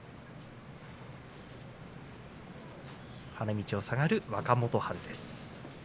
花道を下がる若元春。